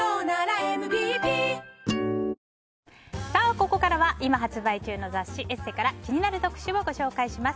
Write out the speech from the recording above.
ここからは今発売中の雑誌「ＥＳＳＥ」から気になる特集をご紹介します。